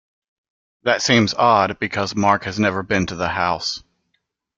That seems odd because Mark has never been to the house.